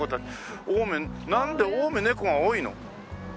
青梅なんで青梅猫が多いの？